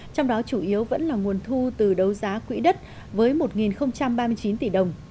trong đó chủ yếu vẫn là nguồn thu từ đấu giá quỹ đất với một ba mươi chín tỷ đồng